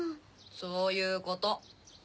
そういうこと！